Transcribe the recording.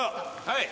はい。